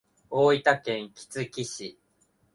大分県杵築市